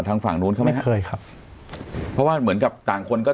ทางฝั่งนู้นเขาไหมครับเคยครับเพราะว่าเหมือนกับต่างคนก็